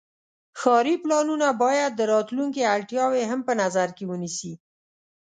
ښاري پلانونه باید د راتلونکي اړتیاوې هم په نظر کې ونیسي.